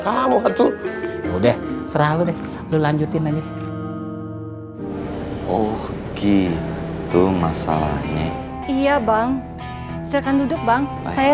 kamu haduh udah serah lu deh lanjutin aja oh gitu masalahnya iya bang silakan duduk bang saya